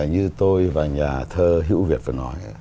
như tôi và nhà thơ hữu việt vừa nói